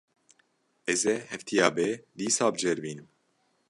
Ez ê hefteya bê dîsa biceribînim.